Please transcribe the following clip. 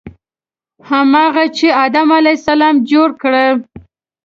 هماغه چې آدم علیه السلام جوړ کړ.